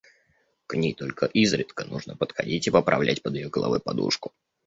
– К ней только изредка нужно подходить и поправлять под ее головой подушку.